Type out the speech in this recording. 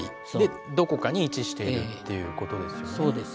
どこかに位置しているっていうことですよね。